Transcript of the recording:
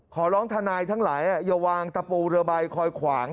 ขอร้องทนายทั้งหลายอย่าวางตะปูเรือใบคอยขวาง